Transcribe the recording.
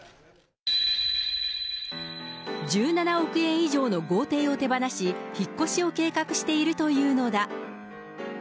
１７億円以上の豪邸を手放し、引っ越しを計画しているというのだ。